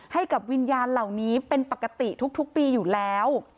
ให้กับวิญญาณเหล่านี้เป็นปกติทุกปีอยู่แล้ว